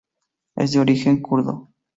Es de origen kurdo.